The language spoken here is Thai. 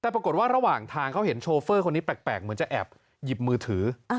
แต่ปรากฏว่าระหว่างทางเขาเห็นโชเฟอร์คนนี้แปลกเหมือนจะแอบหยิบมือถือ